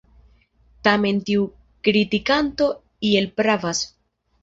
Tamen tiu kritikanto iel pravas.